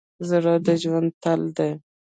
زړه د ژوند تل دی.